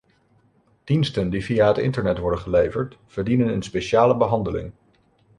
Diensten die via het internet worden geleverd, verdienen een speciale behandeling.